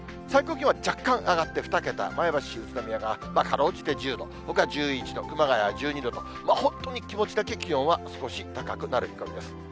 最高気温は若干上がって２桁と、前橋、宇都宮が、かろうじて１０度、ほか１１度、熊谷１２度と、本当に気持ちだけ気温は少し高くなる見込みです。